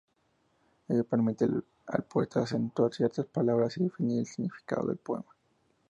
Ello permite al poeta acentuar ciertas palabras y definir el significado del poema.